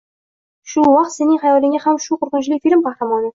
Shu vaqt sening hayolingga ham shu qo‘rqinchli film qahramoni